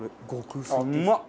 うまっ！